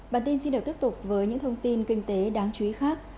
bản tin xin được tiếp tục với những thông tin kinh tế đáng chú ý khác